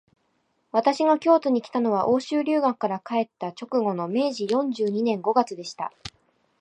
私が京都にきたのは、欧州留学から帰った直後の明治四十二年五月でした